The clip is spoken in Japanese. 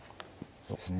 いやそうですね。